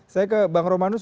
saya ke bang romanus